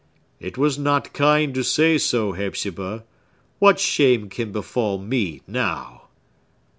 "It was not kind to say so, Hepzibah! What shame can befall me now?"